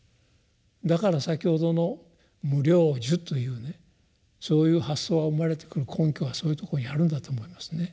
だから先ほどの「無量寿」というねそういう発想が生まれてくる根拠はそういうところにあるんだと思いますね。